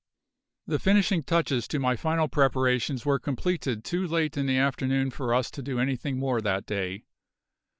The finishing touches to my final preparations were completed too late in the afternoon for us to do anything more that day.